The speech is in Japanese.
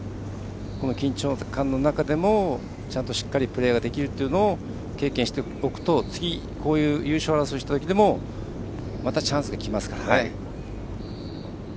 この緊張感の中でもしっかりプレーができるというのを経験しておくと次、こういう優勝争いしたときでもまたチャンスがきますからね。